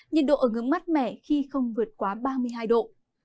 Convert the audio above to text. nhịn độ ở ngưỡng mắt mẻ khi không vượt quá ba mươi hai độ